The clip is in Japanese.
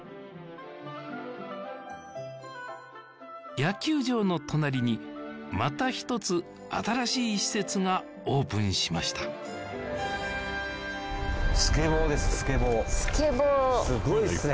野球場の隣にまた一つ新しい施設がオープンしましたスケボーすごいっすね